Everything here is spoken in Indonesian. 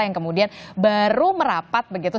yang kemudian baru merapat begitu